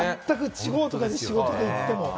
地方とかに仕事に行っても。